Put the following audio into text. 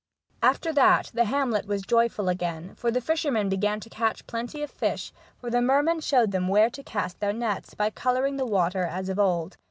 1 After that the hamlet was joyful again, for the fishermen began to catch plenty of fish; for the merman showed them where to cast their nets, by colouring the water as of old.